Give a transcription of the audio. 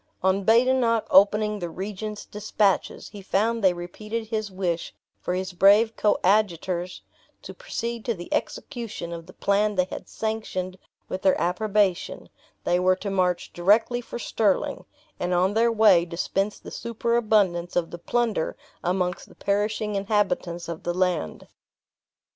On Badenoch opening the regent's dispatches, he found they repeated his wish for his brave coadjutors to proceed to the execution of the plan they had sanctioned with their approbation; they were to march directly for Stirling, and on their way dispense the superabundance of the plunder amongst the perishing inhabitants of the land.